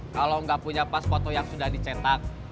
kalau enggak punya pas foto yang sudah dicetak